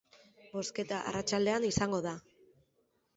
Bozketa arratsaldean izango da.